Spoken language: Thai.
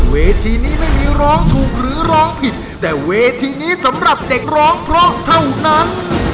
เวทีนี้ไม่มีร้องถูกหรือร้องผิดแต่เวทีนี้สำหรับเด็กร้องเพราะเท่านั้น